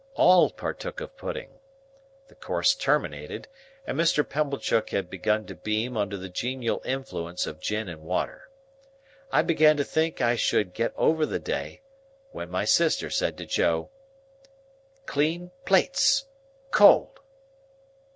All partook of pudding. The course terminated, and Mr. Pumblechook had begun to beam under the genial influence of gin and water. I began to think I should get over the day, when my sister said to Joe, "Clean plates,—cold."